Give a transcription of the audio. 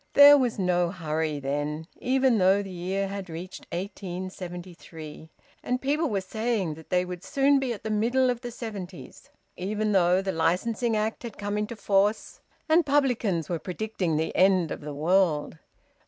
There was no hurry then, even though the year had reached 1873 and people were saying that they would soon be at the middle of the seventies; even though the Licensing Act had come into force and publicans were predicting the end of the world.